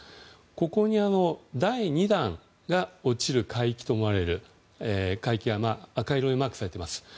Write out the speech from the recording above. ここに第２弾が落ちると思われる海域が赤色でマークされています。